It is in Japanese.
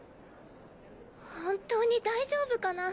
本当に大丈夫かな。